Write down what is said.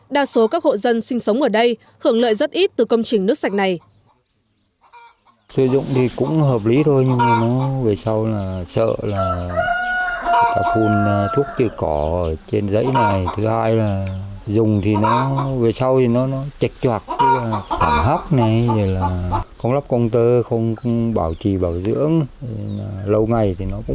đa số các hộ dân sinh sống ở đây hưởng lợi rất ít từ công trình nước sạch này